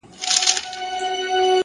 هره ستونزه نوی مهارت زېږوي.!